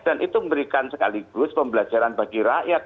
dan itu memberikan sekaligus pembelajaran bagi rakyat